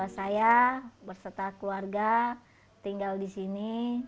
saya berserta keluarga tinggal di sini